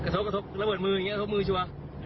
จับไปะ